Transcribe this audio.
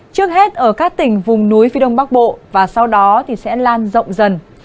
trước hết ở các tỉnh vùng núi phía đông bắc bộ và sau đó thì sẽ lan rộng dần